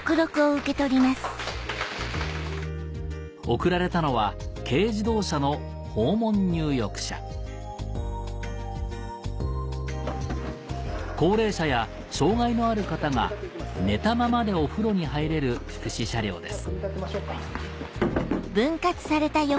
贈られたのは軽自動車の高齢者や障がいのある方が寝たままでお風呂に入れる福祉車両です